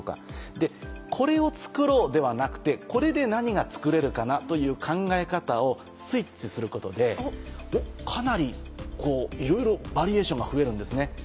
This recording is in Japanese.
でこれを作ろうではなくてこれで何が作れるかなという考え方をスイッチすることでかなりいろいろバリエーションが増えるんですね。